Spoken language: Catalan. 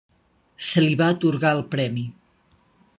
Se li va atorgar el premi.